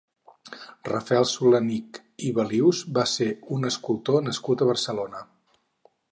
Rafael Solanic i Balius va ser un escultor nascut a Barcelona.